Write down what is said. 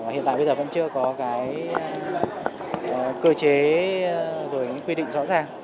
hiện tại bây giờ vẫn chưa có cái cơ chế rồi những quy định rõ ràng